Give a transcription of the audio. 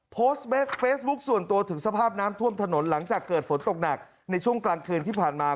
โพสต์เฟซบุ๊คส่วนตัวถึงสภาพน้ำท่วมถนนหลังจากเกิดฝนตกหนักในช่วงกลางคืนที่ผ่านมา